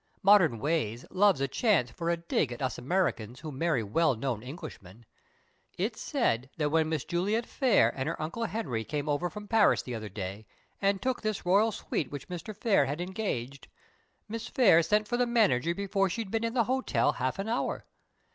Modern Ways loves a chance for a 'dig' at us Americans who marry well known Englishmen! It said that when Miss Juliet Phayre and her Uncle Henry came over from Paris the other day, and took this royal suite which Mr. Phayre had engaged, Miss Phayre sent for the manager before she'd been in the hotel half an hour.